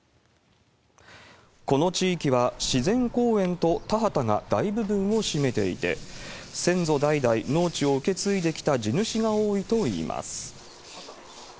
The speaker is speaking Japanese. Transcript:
この地域は自然公園と田畑が大部分を占めていて、先祖代々、農地を受け継いできた地主が多いといいます。